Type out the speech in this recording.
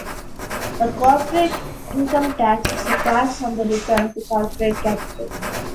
The corporate income tax is a tax on the return to corporate capital.